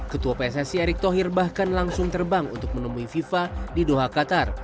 ketua pssi erick thohir bahkan langsung terbang untuk menemui fifa di doha qatar